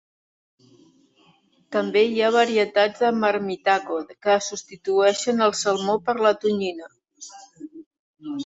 També hi ha varietats de marmitako que substitueixen el salmó per la tonyina.